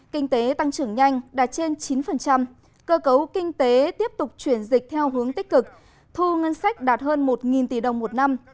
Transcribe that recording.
kinh tế tăng trưởng nhanh đạt trên chín cơ cấu kinh tế tiếp tục chuyển dịch theo hướng tích cực thu ngân sách đạt hơn một tỷ đồng một năm